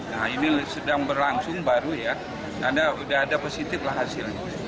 nah ini sedang berlangsung baru ya dan sudah ada positiflah hasilnya